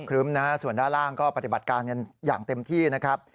รึ้มนะฮะส่วนด้านล่างก็ปฏิบัติการกันอย่างเต็มที่นะครับ